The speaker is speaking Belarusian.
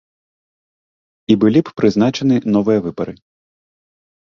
І былі б прызначаны новыя выбары.